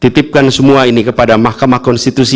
titipkan semua ini kepada mahkamah konstitusi